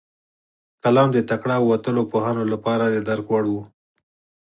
کلام د تکړه او وتلیو پوهانو لپاره د درک وړ و.